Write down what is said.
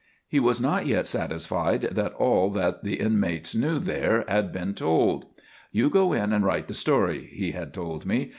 He was not yet satisfied that all that the inmates knew there had been told. "You go in and write the story," he had told me.